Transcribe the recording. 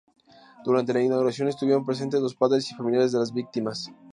Durante la inauguración estuvieron presentes los padres y familiares de las víctimas.